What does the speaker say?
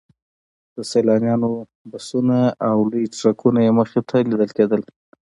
د سیلانیانو بسونه او لوی ټرکونه یې مخې ته لیدل کېدل.